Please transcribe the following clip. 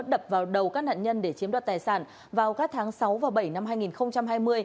đập vào đầu các nạn nhân để chiếm đoạt tài sản vào các tháng sáu và bảy năm hai nghìn hai mươi